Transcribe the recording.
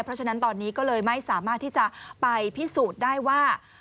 เพราะฉะนั้นตอนนี้ก็เลยไม่สามารถที่จะไปพิสูจน์ได้ว่า